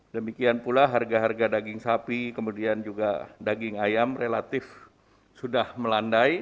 demikian pula harga harga daging sapi kemudian juga daging ayam relatif sudah melandai